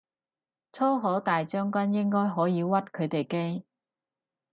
粗口大將軍應該可以屈佢哋機